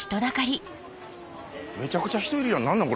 めちゃくちゃ人いるやん何なん？